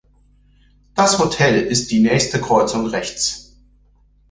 Das Hotel ist die nächste Kreuzung rechts.